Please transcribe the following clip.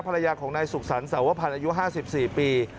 ภรรยาของนายสุขสรรคสาวพันธ์อายุ๕๔ปี